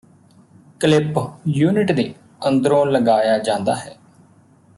clip unit ਦੇ ਅੰਦਰੋਂ ਲਗਾਇਆ ਜਾਂਦਾ ਹੈ